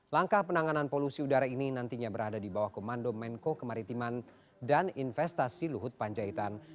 langkah penanganan polusi udara ini nantinya berada di bawah komando menko kemaritiman dan investasi luhut panjaitan